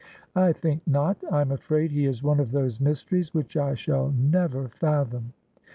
' I think not. I am afraid he is one of those mysteries which I shall never fathom.'